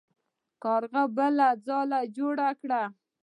کارغه بله ځاله جوړه کړه.